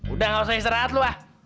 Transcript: udah nggak usah istirahat lo ah